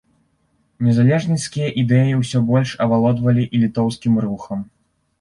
Незалежніцкія ідэі ўсё больш авалодвалі і літоўскім рухам.